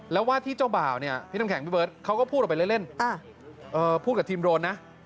แล้วว่าที่เจ้าบ่าวเนี่ยพี่น้ำแข็งพี่เบิร์ตเขาก็พูดออกไปเล่นพูดกับทีมโรนนะ